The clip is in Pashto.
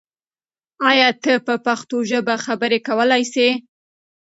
آیا ته په پښتو ژبه خبرې کولای سې؟